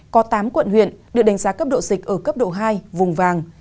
có tám quận huyện được đánh giá cấp độ dịch ở cấp độ hai vùng vàng